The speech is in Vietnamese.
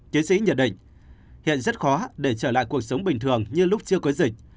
chiến sĩ nhận định hiện rất khó để trở lại cuộc sống bình thường như lúc chưa có dịch